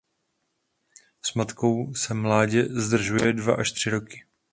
S matkou se mládě zdržuje dva až tři roky.